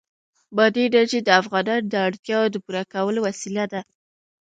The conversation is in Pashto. بادي انرژي د افغانانو د اړتیاوو د پوره کولو وسیله ده.